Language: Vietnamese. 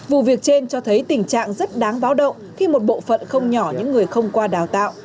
vụ việc trên cho thấy tình trạng rất đáng báo động khi một bộ phận không nhỏ những người không qua đào tạo